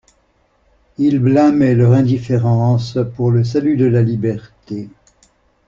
Il blâmait leur indifférence pour le salut de la liberté.